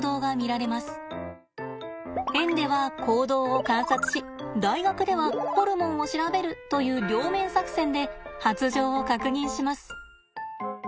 園では行動を観察し大学ではホルモンを調べるという両面作戦で発情を確認します。